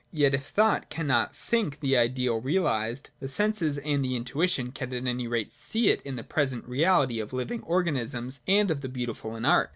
Yet if thought will not think the ideal realised, the senses and the intuition can at .any rate see it in the present reality of living organisms and of the beautiful in Art.